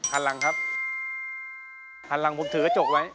หันหลังผมถือกระจกไว้